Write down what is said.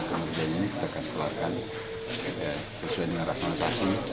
kemudiannya kita akan keluarkan sesuai dengan rasionalisasi